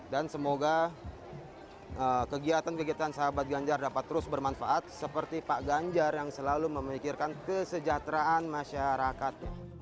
dan semoga kegiatan kegiatan sahabat ganjar dapat terus bermanfaat seperti pak ganjar yang selalu memikirkan kesejahteraan masyarakat